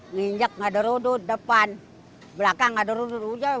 nginjek ngederudut depan belakang ngederudut uja